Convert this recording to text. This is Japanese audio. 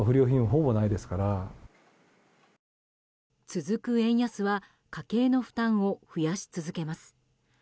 続く円安は家計の負担を増やし続けます。